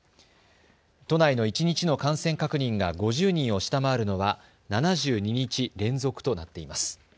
都内の一日の感染確認が５０人を下回るのは７２日連続となっています。